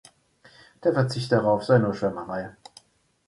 Der Verzicht darauf sei nur Schwärmerei.